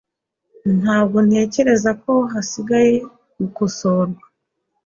Ntabwo ntekereza ko hasigaye gukosorwa